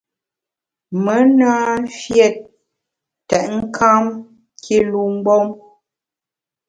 Me na mfiét tètnkam kilu mgbom.